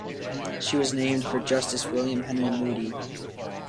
She was named for Justice William Henry Moody.